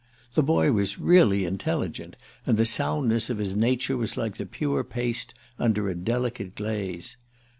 The boy was really intelligent, and the soundness of his nature was like the pure paste under a delicate glaze.